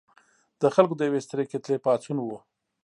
د خلکو د یوې سترې کتلې پاڅون و.